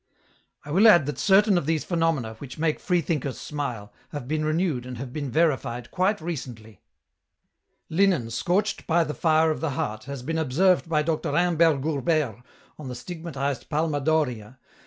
" 1 will add that certain of these phenomena, which make freethinkers smile, have been renewed and have been veri fied quite recently. " Linen scorched by the fire of the heart has been observed by Dr. Imbert Gourbeyre on the stigmatized Palma d'Oria, 224 EN ROUTE.